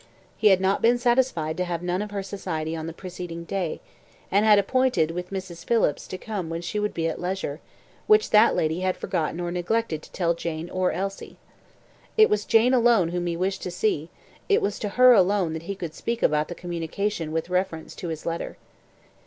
He had not been satisfied to have none of her society on the preceding day, and had appointed with Mrs. Phillips to come when she would be at leisure, which that lady had forgotten or neglected to tell Jane or Elsie. It was Jane alone whom he wished to see it was to her alone that he could speak about the communication with reference to his letter.